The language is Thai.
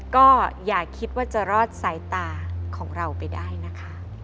ก็อย่าคิดว่าจะรอดสายตาของเราไปได้นะคะ